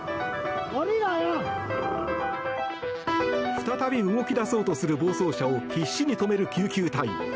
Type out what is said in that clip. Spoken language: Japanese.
再び動き出そうとする暴走車を必死に止める救急隊員。